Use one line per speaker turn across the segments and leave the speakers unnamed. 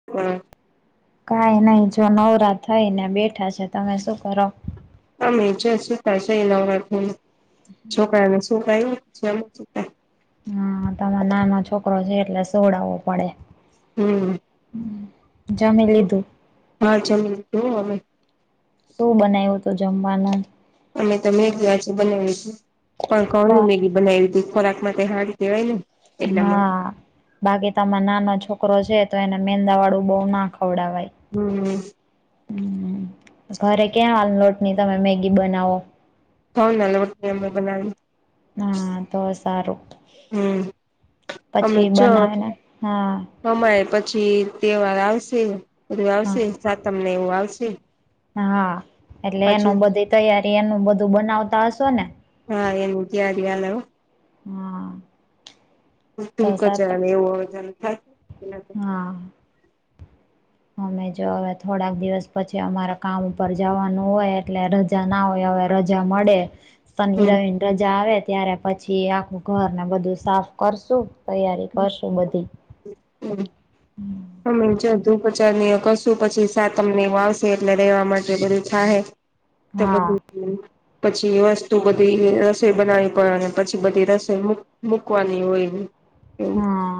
[unintelligible]
કઈ નઈ જો નવરા થઈને બેઠા છે તમે શું કરો?
અમે જો સુતા છીએ નવરા થય ને છોકરાને સુવડાવ્યો પછી અમે સુતા
હા તમારે નાનો છોકરો છે એટલે સુવડાવો પડે
હમ્મ.
જમી લીધુ
હા જમી લીધું હો અમે
શું બનાવ્યું હતું જમવાનું
અમે તો મેગી આજે બનાવી તી પણ [unintelligible] ની મેગી બનાવી તી ખોરાક માટે હારી કેવાય ને એટલા માટે
હા. બાકી તમારે નાનો છોકરો છે તો એને મેંદા વાળું બઉ ના ખવડવાય
હમ્મ.
હમ્મ ઘરે ક્યાં લોટની તમે મેગી બનાવો
ઘઉંના લોટની અમે બનાવી
હા તો સારું
હમ્મ.
પછી બનાવેને હા.
કમાય પછી તહેવાર આવશે બધું આવશે
હા
સાતમને એવું આવશે
હા એટલે
પાછું
એનું બધી તૈયારી એનું બધું બનાવતા હશો ને
હા એનું તૈયારી હાલે હો
હા. તો
હમ્મ
સાત
કચરો એવું થાય
હા. અમે જો હવે થોડાક દિવસ પછી અમારા કામ ઉપર જવાનું હોય એટલે રજા ત્યાં ના હોય તો હવે રજા મળે શનિ
હમ
રવિન રજા આવે ત્યારે પછી આખું ઘરને બધું સાફ કરશું તૈયારી કરશું બધી
હમ્મ.
હમ્મ.
અમે જો ધુપચાર કશું પછી સાત તમને વાવશે એટલે રહેેવા માટે બધું થાહે તે
હા
બધું પછી વસ્તુ બધી રસોઈ બનાવી પણ ડે અને પછી બધી રસોઈ મુક મૂકવાની હોય એવું
હમ્મ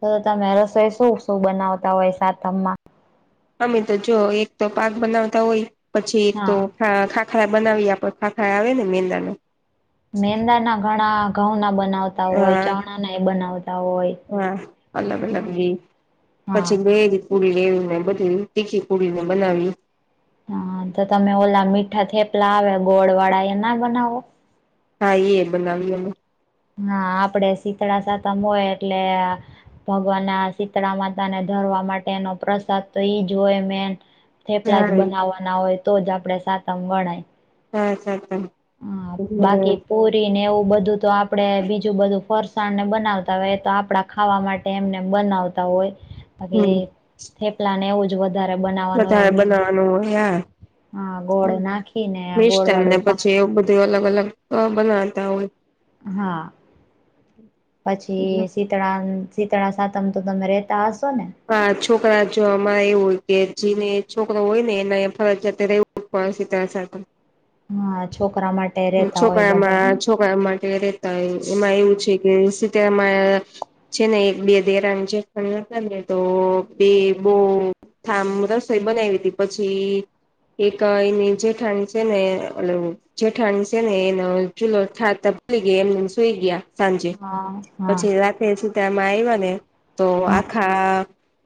તો તમે રસોઈ શું શું બનાવતા હોય સાતમમાં
અમે તો જો એક તો પાક બનાવતા હોય પછી એક તો હા ખાખાડા બનાવી આપો ખાખા આવે ને મેંદાના
મેંદા ના ઘણા ઘઉં ના બનાવતા તા હોય
હા
ચણા ના બનાવતા હોય
હા અલગ અલગ જી
હા
પછી બેરી પુડી લેવું ને બધી તીખી પુડી ને બનાવવી
હા તો તમે ઓલા મીઠા થેપલા આવે ગોળ વાળા એ ના બનાવો?
હા એય બનાવી અમે.
હા આપડે શીતળા સાતમ હોય એટલે ભગવાનના શીતળા માતા ને ધરવા માટેનો પ્રસાદ તો ઈ જ હોય મેન થેપલા જ
હા
બનાવવાના હોય તો જ આપણે સાતમ ગણાય.
હા અચ્છા અચ્છા.
હા બાકી પુરી ને એવું બધું તો આપડે બીજું બધું ફરશ સાળ ને બનાવતા હોય એ તો આપડા ખાવા માટે એમનેમ બનાવતા હોય
હમ
બાકી થેપલા ને એવું જ વ
વધારે બનાવાનું [unintelligible] યાર
હા ગોળ નાખીને ગોળ
મિષ્ટાન ને
વાળું
પછી
પાણી
એવું બધું અલગ અલગ અ બનાવતા હોય
હા
હોય
પછી શીતળ શીતળા સાતમ તો તમે રેહતા હશો ને?
હા છોકરા જો અમારે એવું હોય કે જેને છોકરો હોય ને એને ફરજિયાત રહેવુ પડશે શીતળા સાતમ
હા છોકરા માટે રહેતા હોય
છોકરામાં
બધાય
માટે રેતા હોય એમાં એવું છે કે શીતળા મા છે ને એક બે દેરાણી જેઠાણી હતા ને તો બે બ થામ રસોઈ બનાવી હતી પછી એક એની જેઠાણી છે ને જેઠાણી છે ને એનો ચલો છાતા એમનેમ સુઈ ગયા સાંજે
હા હા
પછી રાત તે છતાં એમાં આવ્યા ને તો
હા
આખા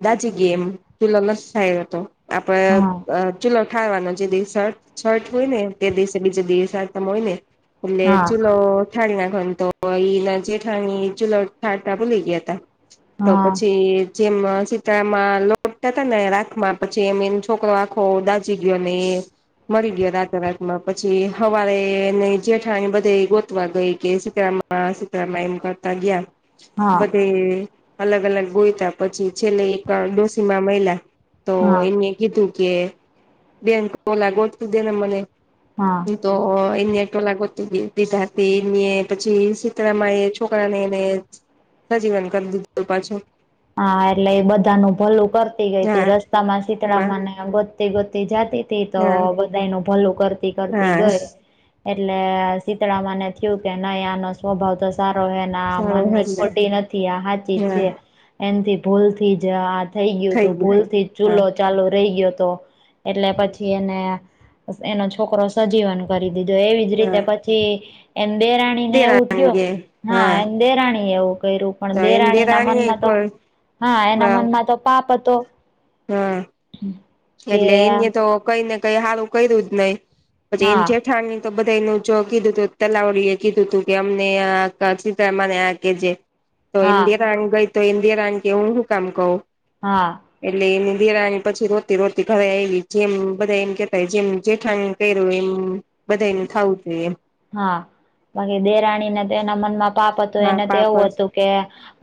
દાજી ગઈ એમ ચુલો [unintelligible] થાય હતો આપડે
હા
ચૂલો ઠારવાનો જે દિવસ છઠ હોયને, તે દિવસે બીજે દિવસે સાતમ હોયને એટલે
હા
ચૂલો ઠાર નાખવાનો તો એ જેઠાણી ચૂલો ઠારતા ભૂલી ગયા હતા. તો
હા
પછી જેમ શીતળામાં લોટતા તાને રાખમાં પછી એમ એનો છોકરો આખો દાજી ગયો ને મળી ગયો રાત્રે રાતમાં પછી હવારે ને જેઠાણી બધે ગોતવા ગઈ કે શીતળા માં શીતળા માં એમ કરતા ગયા.
હા
બધે અલગ અલગ ગોયતા, પછી છેલ્લે એક ડોશીમાં મળ્યા. તો
હા
એને કીધું કે બેન ઓલા ગોતી દેને મને
હા.
તો એને ટોલાાગો દીધા હતી, એને પછી શીતળામાં એ છોકરાને એને સજીવન કર દીધો પાછો.
હા, એટલે એ બધાનું ભલું કર ગઈ
હા
તી રસ્તામાં
એમાં
શીતળામાંને ગોતતી ગોતતી જતી તી, તો
હા
બધાનું ભલું કરતી. કરતી
હા
ગય. એટલે શીતળામાંને થયું કે નહી, આનો સ્વભાવ તો સારો હે. ના
સારું
મનની
હલા
ખોટી નથી. આ સાાચી જ
હા
છે. એનથી ભૂલથી જ આ થઈ ગયું તું ભૂલથી ચૂલો ચાલુ રહી ગયો હતો. એટલે પછી એને એનો છોકરો સજીવન કરી દીધો. એવી જ રીતે
હા
પી પછી એની દેરાણીને એવું થયો. હા, એની દેરાણી એ એવું કર્યું.
તો
પણ
એમ
દેરાણીના
દેરાની
મનમાં તો
કોઈ
હા એના મનમાં તો પાપ હતો.
હા
કે
એટલે એને તો કઈને કઈ હારું કર્યું જ નહી. પછી
હા
એની જેઠાણી તો બધા એનું જો કીધું તું તલાવડી એ કીધું તું કે અમને [unintelligible] આ કે જે તો
હા
ઇન્ડિયરાંગ ગઈ તો ઇન્ડિય રાંગ કે હું શું કામ કઉું
હા.
એટલે એની દેરાની પછી રોતી રોતી ઘરે આયવી જેમ બધા એમ કેતાય જેમ જેઠાણી કર્યો એમ બધાયનું થાવું જોઇએ એમ
હા બાકી દેરાણીને તો એના મનમાં પાપ હતું
હા
એને તો એવું
પાપડ
હતું. કે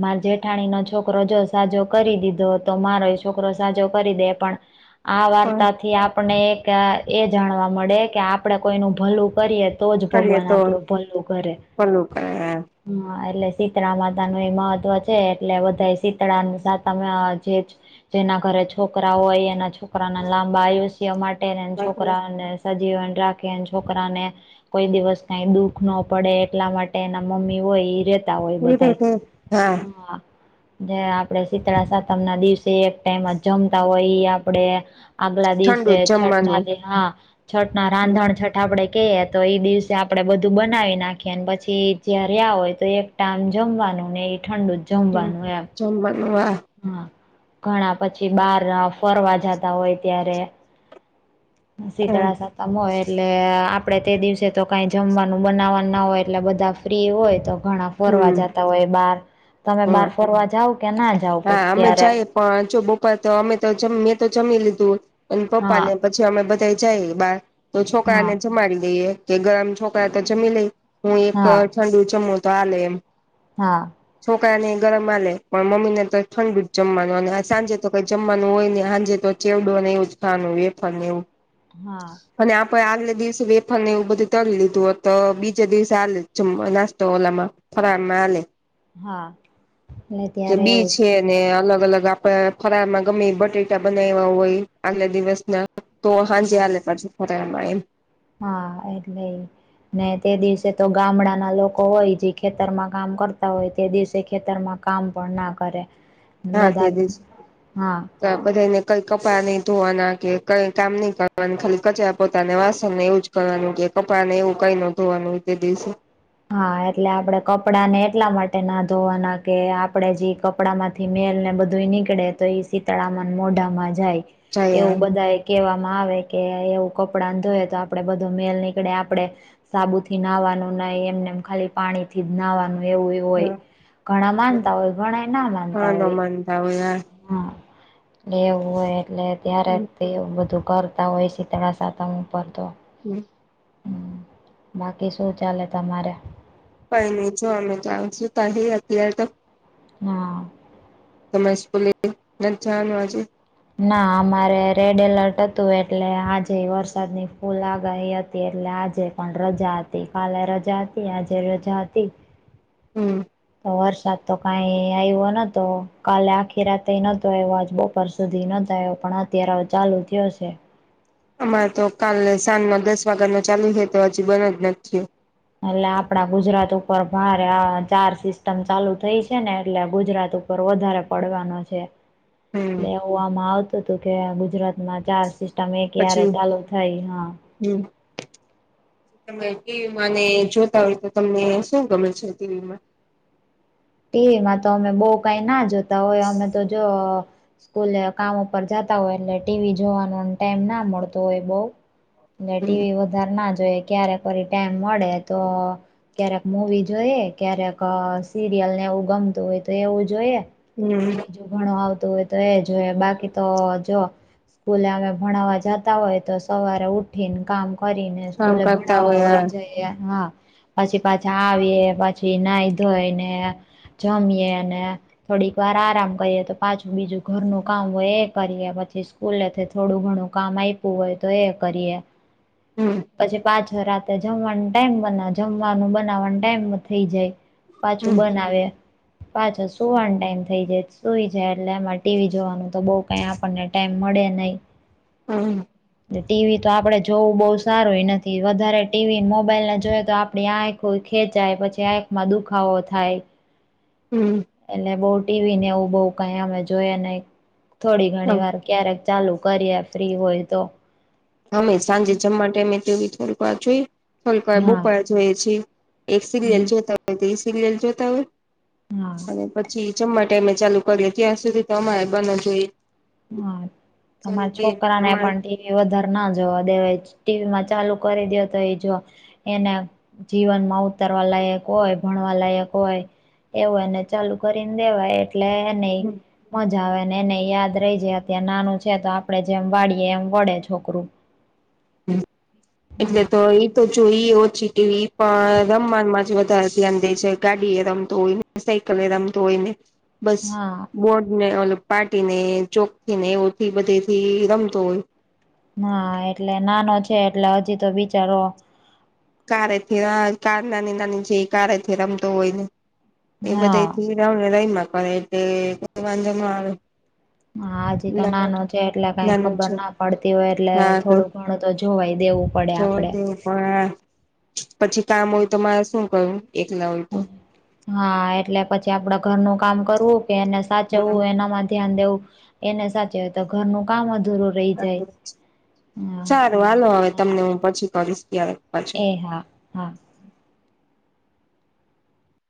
મારે જેઠાણીનો છોકરો જો સાજો કરી દીધો તો મારો છોકરો સાજો કરી દે પણ આ
પણ
વાર્તાથી આપણે આ એ જાણવા મળે કે આપણેે કોઈનું ભલું કરીએ. તો જ
કરીએ
ભગવાન
તો
આપડુ ભલું કરે.
પલું કરાય
હમ એટલે શીતળા માતાનુ એ મહત્વ છે એટલે બધા શીતળાનું શાતમ જે જ જેના ઘરે છોકરા હોય એના છો કરાના લાંબા આયુષ્ય માટેને છોકરાને સજીવન રાખે છોકરાને કોઈ દિવસ કાઈ દુઃખ ન પડે એટલા માટે એના મમ્મી હોય રે તા હોય બધાય હા. જે આપડે શીતળા સાતમના દિવસે એક ટાઈમ જમતા હોય આપણે આગલા
ઠંડુ
દિવસે
જ
છઠના
જમવાનું
દ હા છઠના
હમ
રાંધણ છઠ આપણે કેયે તો ઈ દિવસે આપણે બધું બનાવી નાખીએને પછી જર્યા હોય તો એક ટાઈમ જમવાનું ને એ ઠંડુ જ જમવાનું એમ
[unintelligible] વા.
હા ઘણા પછી બાર ફરવા જાતા હોય ત્યારે
હા
શીતળા સા તમ હોય. એટલે આપણે તે દિવસે તો કાંઈ જમવાનું બનાવવાનું ના હોય. એટલે બધા ફ્રી હોય તો ઘણા ફરવા
હમ
જતા હોય બાહર તમે
હા
બાર ફરવા જાવ કે ના જાવ?
હા અમે
ત્યારે
જાયએ પણ જો બપા તો અમે તો મેં તો જમી લીધું અને
હા
પપ્પાને છી અમે બધા જાયએ બાર તો
હા
છોકરાને જમાડી દઈએ કે ગમ છોકરા તો લેય. હું એક
હા
ઠંડુ ચમોતો આલે એમ
હા.
છોકરા ને ગરમ માલે પણ મમ્મી ને તો ઠંડુ જમવાનું અને સાંજે તો કંઈ જમવાનું હોય ને સાંજે તો ચેવડો ને એવું [unintelligible] વેફર નેવુ
હા.
અને આપે આગલે દિવસે વેફાર ને એવું બધું તળ લીધું તો બીજે દિવસે આલે જ નાસ્તો ઓલામાં ફરાનાલે
હા ને ત્યા રેવુ
બી
જ
છે ને
હા
અલગ અલગ આપ ફરાર માં ગમે બટેટા બનાવ્યા હોય આગલા દિવસના તો હાજી હાલે પાછુ [unintelligible]
હા એટલે. ને તે દિવસે ગામડાના લોકો હોય જે કામ કરતા હોય તે દિવસે ખેતરમાં કામ પણ ના કરે
હા
બધા
તેદી જ
હા
ત બધાને કઈ કપડાં નહી ધોવાના કે કઈ કામ ની કરવા ખાલી કચરા પોતાને વાસણ ને એવું જ કરવાનું કે કપડા ને એવું કઈ નો ધોવાનું તે દિવસે.
હા એટલે આપડે કપડા ને એટલા માટે ના ધોવાના કે આપડે જે કપ કપડા માંથી મેલ ને બધુંય નીકળે તો એ શીતળાામન મોઢામાં જાય
જાય
એવું બધાય કહેવામાં આવે કે એવું કપડાં ધોયે તો આપડે બધો મેલ નીકળે આપડે સાબુ થી નાહવાનું નઈ એમને એમ ખાલી પાણી થી જ નાહવાનું એવું-એવુ હોય, ઘણા માનતા હોય ઘણાય ના માનતા હોય.
પણ તારુ આવું યાર.
હા, લેવું હોય એટલે ત્યારે એવું બધું કરતા હોય શીતળા સાતમ ઉપર તો.
હમ.
બાકી શું ચાલે તમારે.
કઈ ની જો અમે આમ સુતા હીયે અત્યારે તો.
હા.
તમે સ્કૂલે થી નથ જવનુ આજે.
ના અમારે રેડ એલર્ટ હતું એટલે આજે વરસાદની ફૂલ આગાહી હતી એટલે આજે પણ રજા હતી કાલે રજા હતી આજે રજા હતી.
હમ.
તો વરસાદ તો કાંઈ આવ્યો નતો કાલે આખી રાતે નતો આજ બ પર સુધી નથ આયો પણ અત્યારે ચાલુ થયો છે.
અમારે તો કાલે સાંજમાં દસ વાગા નો ચાલુ થયો તો હજુ બન જ નથ થિયો.
એટલે આપડા ગુજરાત ઉપર ભારે આ ચાર સિસ્ટમ ચાલુ થઇ છે ને એટલે ગુજરાત ઉપર વધારે પડવાનો છે
હમ
ને એવું આમ આવતું તું કે ગુજરાતમાં ચાર [unintelligible] એ કયારે
પછી
ચાલુ થાય હ,
હમ. તમે ટીવીમાંને જોતા હોય તો તમને શું ગમે છે ટીવીમાં.
ટીવીમાં તો અમે બઉ કાંઈ ના જોતા હોય અમે તો જો સ્કૂલે કામ ઉપર જાતા હોય એટલે ટીવી જોવાનો ટાઈમ ના મળતો હોય બઉ. ને ટીવી
હમ
વધારે ના જોઈએ ક્યારેક વરી ટાઈમ મળે તો ક્યારેક મુવી જોયે, ક્યારેક અ સી સિરિયલ ને એવું ગમતું હોય તો એવું જોઈએ.
હમ.
બીજું ઘણું આવતું હોય તો એ જોઈએ બાકી તો જો સ્કૂલે અમે ભણાવા જતા હોય તો સવારે ઉઠીને કામ કરીને ને
કામ
સ્કૂલે
કરતા
ભણાવવા
હોય
વઈ જાય. હા, પછી પાછા આવીયે પછી નાઈ ધોય ને જમીએ ને થોડીક વાર આરામ કરીએ તો પાછું બીજું ઘરનું કામ હોય એ કરીએ પછી સ્કૂલેથી થોડું ઘણું કામ આયપું હોય તો એ કરીએ.
હમ.
પછી પાછો રાતે જમવાનું ટાઈમ બના જમવાનું બનાવવાનું ટાઈમ થઇ જાય. તુ
હમ
બનાવે. પાછા સુવાનું ટાઈમ થઈ જાય સુઈ જાય એટલે એમાં ટીવી જોવાનું તો બઉ કઈ આપણને ટાઈમ મળે નહી.
હા [inaudible]
ટીવી તો આપડે જોવું બહુ સારુંય નથી વધારે ટીવી મોબાઈલને જોયે તો આપડી આંખ ખેચાય પછી આંખમાં દુખાવો થાય.
હમ
એટલે બઉ ટીવી ને એવું બઉ કઈ અમે જોઈએ નહી, થોડી ઘણી વાર ક્યારેક ચાલુ કરીએ ફ્રી હોય તો
અમે સાંજે જમવા ટાઈમે થોડીક વાર જોઈએ, થોડીક વાર
હા
બપોરે જોઈ છીએ. એક સિરિયલ જોતા હોય તે એ સિરિયલ જોતા હોય.
હા
અને પછી જમવા ટાઈમે ચાલુ કરીએ ત્યાં સુધી તો અમારે બંધ જ હોય.
હા
ચાલો
તમારા
તો એ
છોકરાને
પ્રમાણ
પણ ટીવી વધારે ના જોવા દેવાય, ટીવી માં ચાલુ કરી દો તો એ જો એને જીવનમાં ઉતારવા લાયક હોય, ભણવા લાયક હોય. એવું એને ચાલુ કરીને દેવાય એટલે એનેય મજા આવે એનેય યાદ રહી એ અત્યારે નાનું છે તો આપડે જેમ વાળીએે એમ વડે છોકરું
હમ એટલે તો એ તો જોઈ ઓછી ટીવી પણ, રમવામાં હજી વધારે ધ્યાન દે છે. ગાડી એ રમતો હોય ને, સાયકલ એ રમતો હોય, ને બસ
હા
બોર્ડ ને અલગ પાટી ને ચોકથી ને એઓથી બધે થી રમતો હોય.
હા, એટલે નાનો છે એટલે હજી તો બિચારો
કારે થી નાની-નાની જે કારે થી રમતો હોય ને, એ
હા
બધાથી [unintelligible] રઇમાં કરે એટલે કોઈ વાંધો ન આવે.
હા, હજી તો
એટલા
નાનો
માટે
છે એટલે કઈ
નાનો
ખબર
છે
ના પડતી હોય, એટલે થોડું ઘણું તો જોવાય દેવું પડે.
જોવા
આપડે
દેવું પડે. પછી કામ હોય તો મારે શું કરવું? એકલા હોય તો
હા, એટલે પછી આપડે ઘરનું કામ કરવું કે એને સાચવવું એનામાં ધ્યાન દેવુ, એને સાચવે તો ઘરનું કામ અધૂરું રહી
[inaudible]
જાય
સારું હાલો હવે
હા
તમને હું પછી કરીશ કયારે
એ.. હા, હા